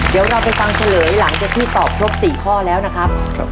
เดี๋ยวเราไปฟังเฉลยหลังจากที่ตอบครบ๔ข้อแล้วนะครับ